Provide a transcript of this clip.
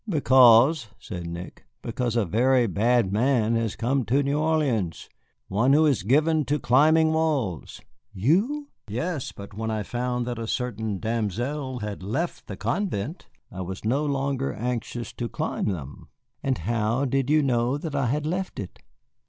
"Because," said Nick, "because a very bad man has come to New Orleans, one who is given to climbing walls." "You?" "Yes. But when I found that a certain demoiselle had left the convent, I was no longer anxious to climb them." "And how did you know that I had left it?"